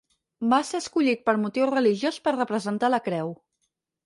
Va ser escollit per motiu religiós per representar la creu.